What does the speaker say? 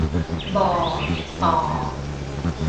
บอ ปอ